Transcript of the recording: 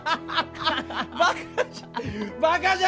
バカじゃ。